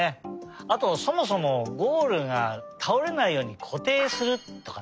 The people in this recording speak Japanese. あとそもそもゴールがたおれないようにこていするとかね。